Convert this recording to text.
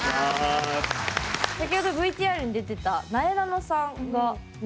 先ほどＶＴＲに出てたなえなのさんがね